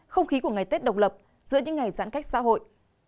không khí của ngày tết độc lập giữa những ngày giãn cách xã hội